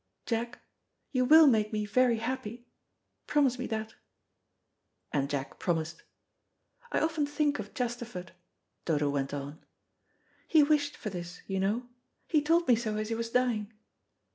Jack, you will make me very happy? Promise me that." And Jack promised. "I often think of Chesterford," Dodo went on. "He wished for this, you know. He told me so as he was dying.